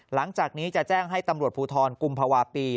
หลังจากนี้จะแจ้งให้ตำรวจภูทรกุมภาวะปี